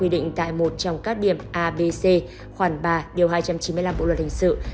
điều hai trăm chín mươi năm bộ luật hình sự